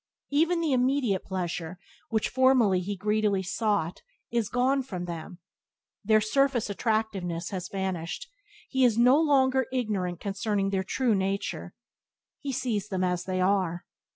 Even the immediate pleasure which formerly he greedily sought is gone from them; their surface attractiveness has vanished; he is no longer ignorant concerning their true nature; he sees them as they are.